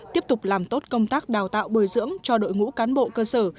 tiếp tục làm tốt công tác đào tạo bồi dưỡng cho đội ngũ cán bộ cơ sở